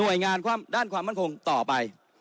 ด้านความมั่นคงต่อไป